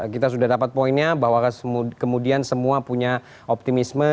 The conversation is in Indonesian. kita sudah dapat poinnya bahwa kemudian semua punya optimisme